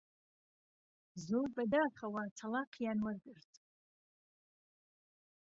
زۆر بەداخەوە تەڵاقیان وەرگرت